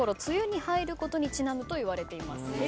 梅雨に入ることにちなむといわれています。